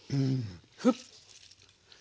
ふっ！